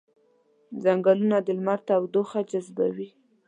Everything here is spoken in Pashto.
ځنګلونه د لمر تودوخه جذبوي